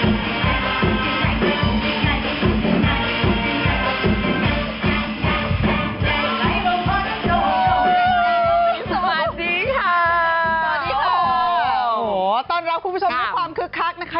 สวัสดีค่ะสวัสดีค่ะโอ้โหต้อนรับคุณผู้ชมด้วยความคึกคักนะคะ